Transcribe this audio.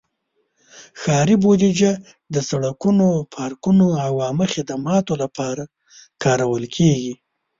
ښاري بودیجه د سړکونو، پارکونو، او عامه خدماتو لپاره کارول کېږي.